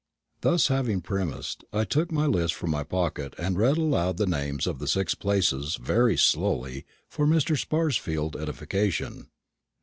Having thus premised, I took my list from my pocket and read aloud the names of the six places, very slowly, for Mr. Sparsfield's edification.